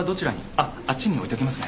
あっあっちに置いときますね